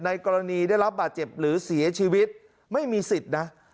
กรณีได้รับบาดเจ็บหรือเสียชีวิตไม่มีสิทธิ์นะ